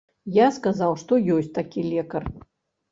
Я сказаў, што ёсць такі лекар.